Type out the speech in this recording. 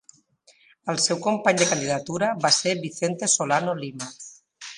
El seu company de candidatura va ser Vicente Solano Lima.